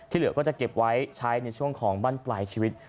ที่เหลือก็จะเก็บไว้ใช้ในช่วงของบั้นไปรชีวิต